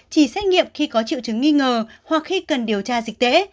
chỉ xét nghiệm khi có triệu chứng nghi ngờ hoặc khi cần điều tra dịch tễ